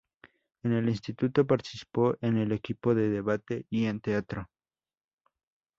En el instituto, participó en el equipo de debate y en teatro.